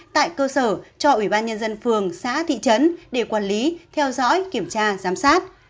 tại cơ sở cho ủy ban nhân dân phường xã thị trấn để quản lý theo dõi kiểm tra giám sát